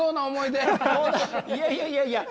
いやいやいやいや。